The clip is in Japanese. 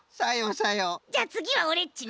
じゃあつぎはオレっちね。